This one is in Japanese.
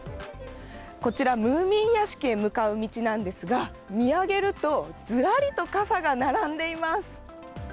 こちら、ムーミン屋敷へ向かう道なんですが、見上げると、ずらりと傘が並んでいます。